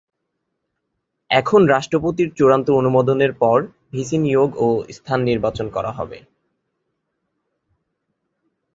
এখন রাষ্ট্রপতির চূড়ান্ত অনুমোদনের পর ভিসি নিয়োগ ও স্থান নির্বাচন করা হবে।